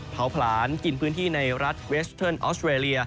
เผาผลาญกินพื้นที่ในรัฐเวสเทิร์นออสเตรเลีย